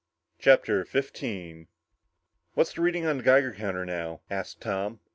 CHAPTER 15 "What's the reading on the Geiger counter now?" asked Tom.